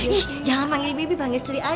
ih jangan panggil bibi panggil sri aja